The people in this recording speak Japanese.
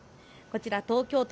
東京都